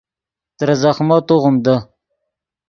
ترے زخمو توغیم دے